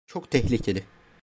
Çok tehlikeli.